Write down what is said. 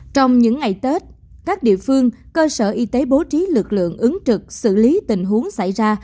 trong những ngày tết các địa phương cơ sở y tế bố trí lực lượng ứng trực xử lý tình huống xảy ra